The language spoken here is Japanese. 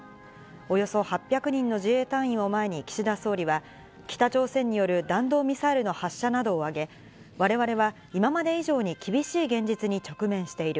およそ８００人の自衛隊員を前に岸田総理は、北朝鮮による弾道ミサイルの発射などを挙げ、われわれは今まで以上に厳しい現実に直面している。